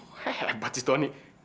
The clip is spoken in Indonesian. hebat si tony